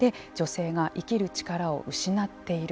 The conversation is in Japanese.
女性が生きる力を失っている。